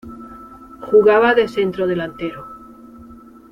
Jugaba de Centrodelantero.